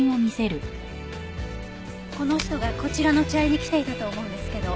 この人がこちらの茶園に来ていたと思うんですけど。